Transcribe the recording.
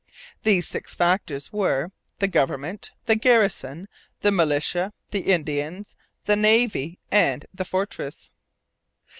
These six factors were the government, the garrison, the militia, the Indians, the navy, and the fortress.